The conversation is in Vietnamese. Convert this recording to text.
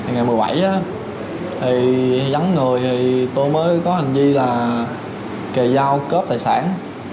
ngày một mươi bảy dắn người tôi mới có hành vi là kề dao cướp tài sản